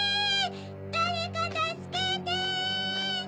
だれかたすけて！